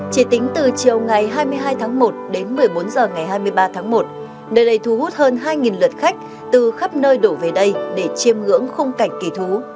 chiều ngày hai mươi hai tháng một đến một mươi bốn h ngày hai mươi ba tháng một nơi này thu hút hơn hai lượt khách từ khắp nơi đổ về đây để chiêm ngưỡng không cảnh kỳ thú